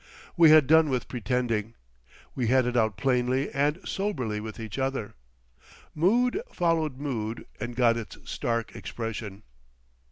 We had done with pretending. We had it out plainly and soberly with each other. Mood followed mood and got its stark expression.